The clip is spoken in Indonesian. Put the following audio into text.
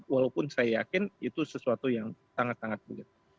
walaupun saya yakin itu sesuatu yang sangat sangat begitu